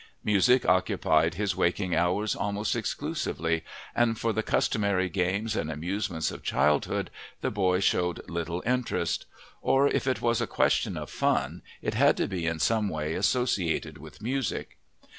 Music occupied his waking hours almost exclusively, and for the customary games and amusements of childhood the boy showed little interest; or, if it was a question of fun, it had to be in some way associated with music.